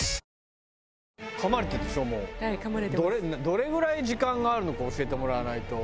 どれぐらい時間があるのか教えてもらわないと。